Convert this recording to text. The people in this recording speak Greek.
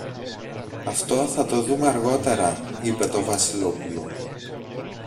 Αυτό θα το δούμε αργότερα, είπε το Βασιλόπουλο.